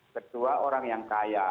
kedua orang yang kaya